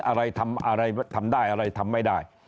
อะไรทำได้อะไรทำไม่ได้